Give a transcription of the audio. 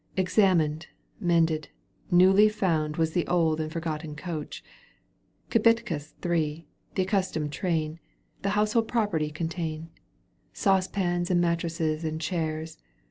;' Examined, mended, newly found ! Was the old and forgotten coach ;! Kibitkas three, the accustomed train,^^ The household property contain : Saucepans and mattresses and chairs.